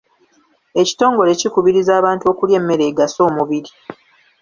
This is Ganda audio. Ekitongole kikubiriza abantu okulya emmere egasa omubiri.